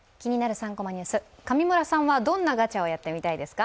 ３コマニュース」、上村さんはどんなガチャをやってみたいですか？